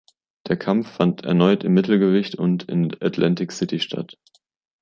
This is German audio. Der Kampf fand erneut im Mittelgewicht und in Atlantic City statt.